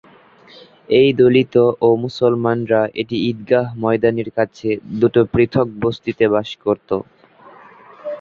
এই দলিত ও মুসলমানরা এটি ঈদগাহ ময়দানের কাছে দুটো পৃথক বস্তিতে বাস করত।